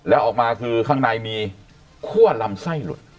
แล้วออกมาคือข้างในมีคั่วลำไส้หลุด